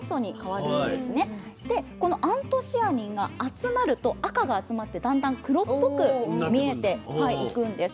でこのアントシアニンが集まると赤が集まってだんだん黒っぽく見えていくんです。